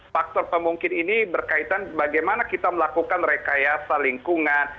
faktor pemungkit ini berkaitan bagaimana kita melakukan rekayasa lingkungan